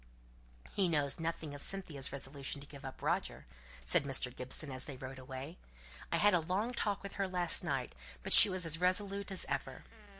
"He knows nothing of Cynthia's resolution to give up Roger," said Mr. Gibson as they rode away. "I had a long talk with her last night, but she was as resolute as ever.